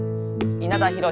稲田浩。